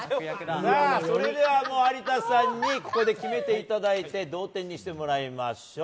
それでは有田さんにここで決めていただいて同点にしてもらいましょう。